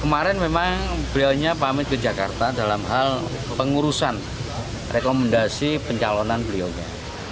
kemarin memang beliau ini pamit ke jakarta dalam hal pengurusan rekomendasi pencalonan beliau ini